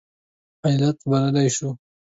علت بللی شو.